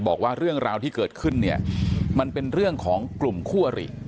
บอกว่าเรื่องราวที่เกิดขึ้นเนี่ยมันเป็นเรื่องของกลุ่มคู่อริ